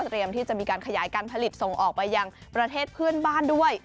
เตรียมที่จะมีการขยายการผลิตส่งออกไปยังประเทศเพื่อนบ้านด้วย